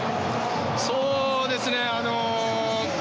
そうですね。